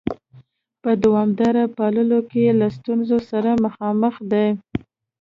په دوامداره پاللو کې له ستونزو سره مخامخ دي؟